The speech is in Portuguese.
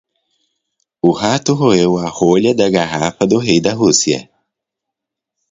O rato roeu a rolha da garrafa do rei da Rússia.